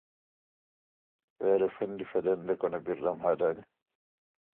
It is currently led by Artashes Geghamyan.